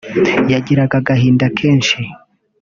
yagiraga agahinda kenshi